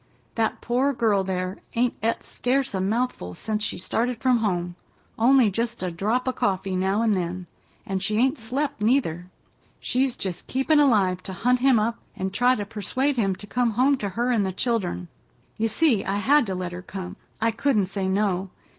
That poor girl there ain't et scarce a mouthful sence she started from home—only just a drop o' coffee now an' then—and she ain't slep' neither. She's jest keepin' alive to hunt him up and try to persuade him to come home to her an' the children. You see, I had to let her come. I couldn't say no.